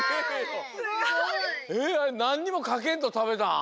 えっあれなんにもかけんとたべたん？